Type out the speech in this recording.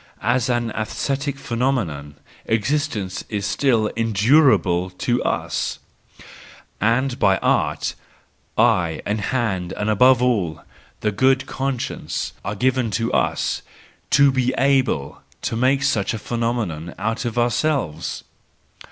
As an aesthetic phenomenon existence is still endurable to us ; and by Art, eye and hand and above all the good conscience are given to us, to be able to make such a phenomenon out of ourselves.